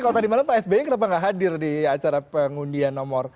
kalau tadi malam pak sby kenapa nggak hadir di acara pengundian nomor